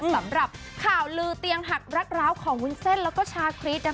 สำหรับข่าวลือเตียงหักรักร้าวของวุ้นเส้นแล้วก็ชาคริส